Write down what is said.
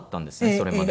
それまで。